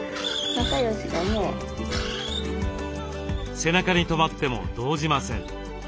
背中にとまっても動じません。